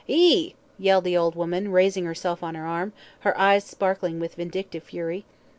"'E!" yelled the old woman, raising herself on her arm, her eyes sparkling with vindictive fury.